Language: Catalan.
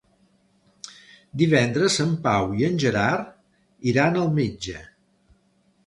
Divendres en Pau i en Gerard iran al metge.